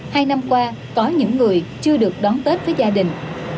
hai năm qua có những người chưa được đón tết với gia đình